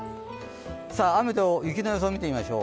雨と雪の予想、見てみましょう。